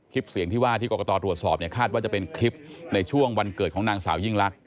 คลิปเสียงที่ว่าที่กรกตตรวจสอบเนี่ยคาดว่าจะเป็นคลิปในช่วงวันเกิดของนางสาวยิ่งลักษ